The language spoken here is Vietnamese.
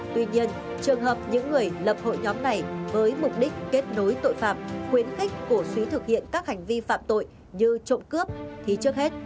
tuy nhiên trường hợp những người lập hội nhóm này với mục đích kết nối tội phạm khuyến khích cổ suý thực hiện các hành vi phạm tội như trộm cướp thì trước hết